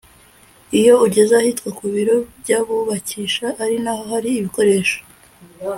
Iyo ugeze ahitwa ku biro by’abubakisha ari naho hari ibikoresho